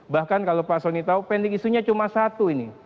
bahkan kalau pak soni tahu pending isunya cuma satu ini